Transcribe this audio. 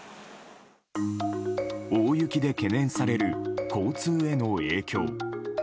大雪で懸念される交通への影響。